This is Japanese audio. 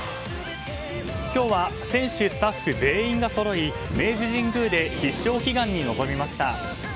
今日は選手、スタッフ全員がそろい明治神宮で必勝祈願に臨みました。